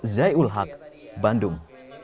zai ul haq bandung